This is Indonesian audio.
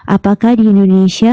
apakah di indonesia